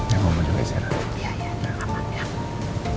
ya kamu juga istirahat